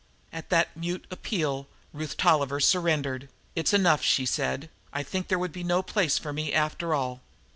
At that mute appeal Ruth Tolliver surrendered. "It's enough," she said. "I think there would be no place for me after all.